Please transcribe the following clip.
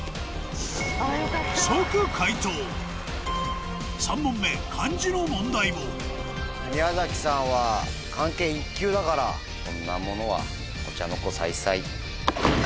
即解答３問目漢字の問題も宮崎さんは漢検１級だからこんなものは。